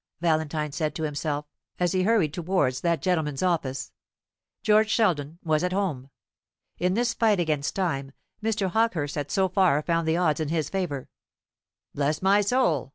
Valentine said to himself, as he hurried towards that gentleman's office. George Sheldon was at home. In this fight against time, Mr. Hawkehurst had so far found the odds in his favour. "Bless my soul!"